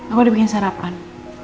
aku udah bikin sarapan